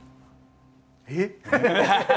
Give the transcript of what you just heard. えっ！